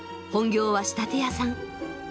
本業は仕立て屋さん。